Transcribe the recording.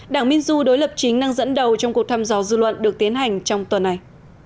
đảng minzo đối lập chính đang dẫn đầu trong cuộc thăm dò dư luận được tiến hành trong tuần này